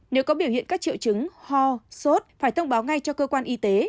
nếu có biểu hiện các triệu chứng ho sốt phải thông báo ngay cho cơ quan y tế